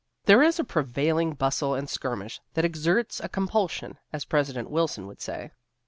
There is a prevailing bustle and skirmish that "exerts a compulsion," as President Wilson would say.